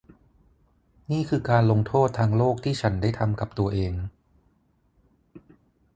นี่คือการลงโทษทางโลกที่ฉันได้ทำกับตัวเอง